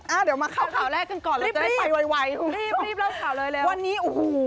อ่าเดี๋ยวมาเข้ารีบรีบเล่าข่าวเลยเร็ววันนี้โอ้โห